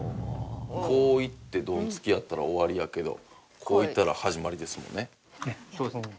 こう行ってドンツキやったら終わりやけどこう行ったら始まりですもんね？っていう事ですよね？